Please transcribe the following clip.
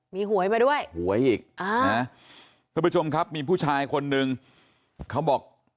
มีหวยมาด้วยหวยอีกอ่านะท่านผู้ชมครับมีผู้ชายคนนึงเขาบอก